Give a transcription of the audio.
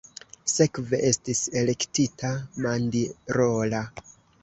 Sekve estis elektita Mandirola.